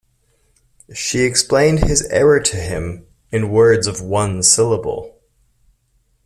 She explained his error to him in words of one syllable.